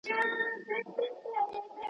له اوربشو چا غنم نه دي رېبلي.